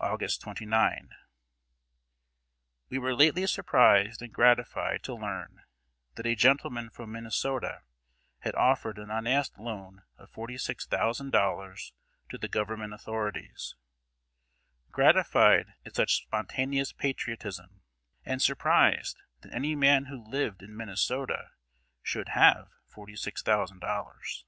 August 29. We were lately surprised and gratified to learn that a gentleman from Minnesota had offered an unasked loan of forty six thousand dollars to the Government authorities gratified at such spontaneous patriotism, and surprised that any man who lived in Minnesota should have forty six thousand dollars.